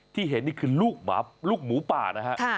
ที่เห็นนี่คือลูกหมาลูกหมูป่านะฮะ